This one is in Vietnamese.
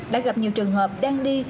đã gặp nhiều trường hợp đang đi